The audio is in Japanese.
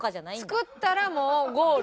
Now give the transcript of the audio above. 作ったらもうゴール。